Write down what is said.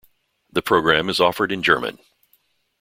The program is offered in German.